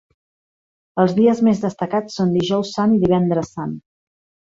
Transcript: Els dies més destacats són Dijous Sant i Divendres Sant.